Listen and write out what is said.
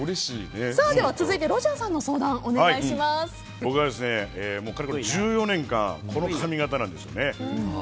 続いてロジャーさんの相談僕は、かれこれ１４年間この髪形なんですよ。